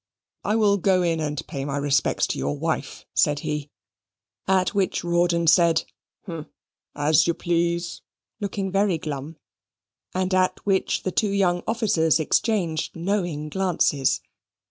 "I will go in and pay my respects to your wife," said he; at which Rawdon said, "Hm, as you please," looking very glum, and at which the two young officers exchanged knowing glances.